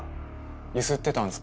ゆすってたんですか？